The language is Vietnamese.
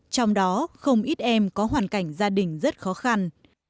trong đó không ít em có hoàn cảnh gia đình rất khó khăn